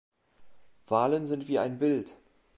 Wahlen sind wie ein Bild.